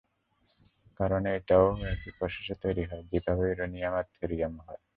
কারণ এটাও একই প্রসেসে তৈরী হয় যেই ভাবে ইউরেনিয়াম আর থোরিয়াম হয়।